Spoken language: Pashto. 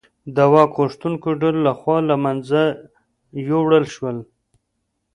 د واک غوښتونکو ډلو لخوا له منځه یووړل شول.